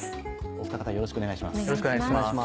お二方よろしくお願いします。